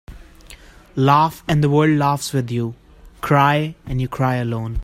Laugh and the world laughs with you. Cry and you cry alone.